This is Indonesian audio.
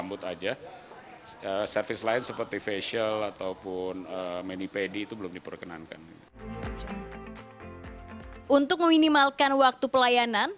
untuk meminimalkan waktu pelayanan